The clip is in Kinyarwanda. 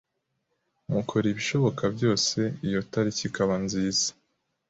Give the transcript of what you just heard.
mukora ibishoboka byose iyo tariki ikaba nziza